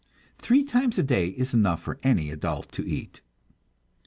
Three times a day is enough for any adult to eat.